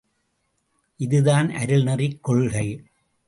இதுதான் அருள் நெறிக் கொள்கை.